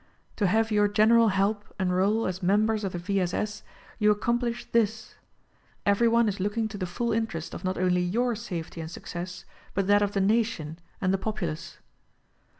To have your general help enroll as members of the V. S. S. you accom plish, this : Everyone is looking to the full interest of not only your safety and success, but that of the nation and the populace.